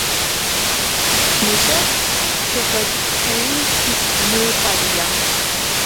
მუსჷთ შეხვადგქჷნი თის მეუხვადია